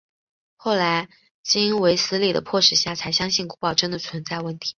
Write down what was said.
后来经卫斯理的迫使下才相信古堡真的存在问题。